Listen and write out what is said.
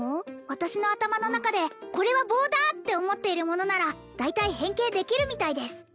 私の頭の中でこれは棒だって思ってるものなら大体変形できるみたいです